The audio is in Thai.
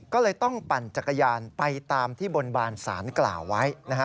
ก็เลยต้องปั่นจักรยานไปตามที่บนบานสารกล่าวไว้